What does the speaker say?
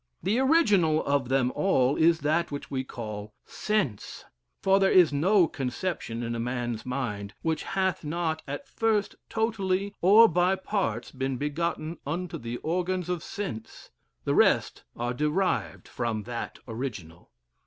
The original of them all is that which we call sense, for there is no conception in a man's mind, which hath not at first totally or by parts been begotten upon the organs of sense; the rest are derived from that original."